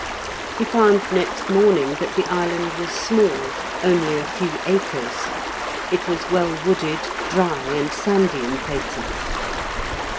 He found next morning that the island was small, only a few acres; it was well wooded, dry, and sandy in places.